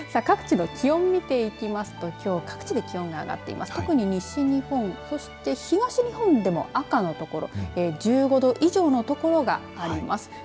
各地の気温見ていきますと、きょうは各地で気温が上がっていて特に西日本、そして東日本でも赤の所１５度以上の所があります。